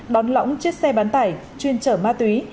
đón lõng chiếc xe bán tải chuyên chở ma túy